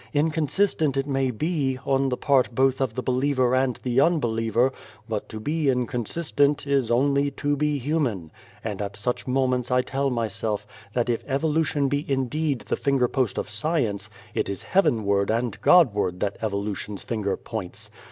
Inconsistent it may be, on the part both of the believer and the unbeliever, but to be inconsis tent is only to be human ; and at such moments I tell myself that if Evolution be indeed the Fingerpost of Science, it is heavenward and Godward that Evolution's finger points.